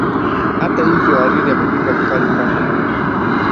hata hivyo hariri amepinga vikali mpango huo